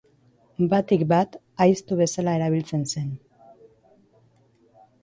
Batik bat, aizto bezala erabiltzen zen.